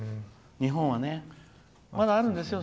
日本はね、まだあるんですよ